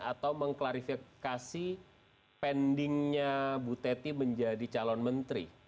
atau mengklarifikasi pendingnya bu teti menjadi calon menteri